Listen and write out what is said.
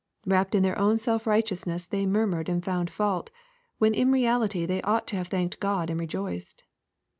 Wrapped in their own self righteousness they murmured and found fault, when in reality they ought to have thanked God and rejoiced.